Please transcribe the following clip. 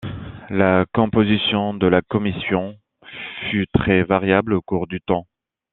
La composition de la commission fut très variable au cours du temps.